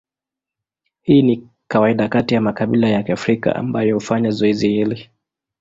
Hii ni kawaida kati ya makabila ya Kiafrika ambayo hufanya zoezi hili.